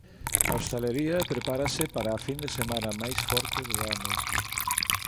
A hostalería prepárase para a fin de semana máis forte do ano.